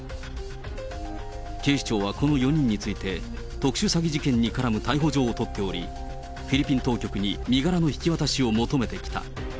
警視庁はこの４人について、特殊詐欺事件に絡む逮捕状を取っており、フィリピン当局に身柄の引き渡しを求めてきた。